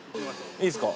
いいですか？